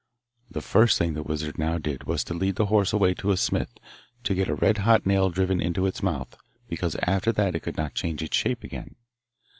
The first thing the wizard now did was to lead the horse away to a smith to get a red hot nail driven into its mouth, because after that it could not change its shape again.